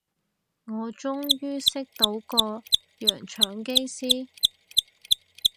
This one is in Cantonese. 我終於識到個洋腸機師